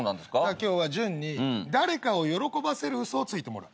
今日は潤に誰かを喜ばせる嘘をついてもらう。